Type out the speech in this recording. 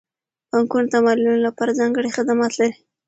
بانکونه د معلولینو لپاره ځانګړي خدمات لري.